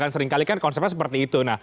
seringkali kan konsepnya seperti itu